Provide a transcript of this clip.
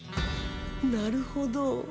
なるほど。